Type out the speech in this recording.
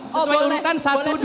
sesuai urutan satu dua tiga empat